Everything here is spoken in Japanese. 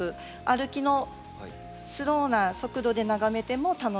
歩きのスローな速度で眺めても楽しめる。